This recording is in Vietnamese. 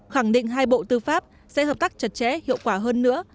khẳng định hai bộ tư pháp sẽ hợp tác chặt chẽ hiệu quả hơn nữa